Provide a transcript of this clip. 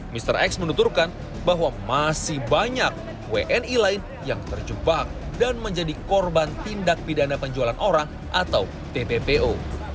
mr x menuturkan bahwa masih banyak wni lain yang terjebak dan menjadi korban tindak pidana penjualan orang atau tppo